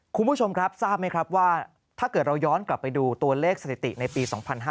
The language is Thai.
คุณผู้ชมครับทราบไหมครับว่าถ้าเกิดเราย้อนกลับไปดูตัวเลขสถิติในปี๒๕๕๙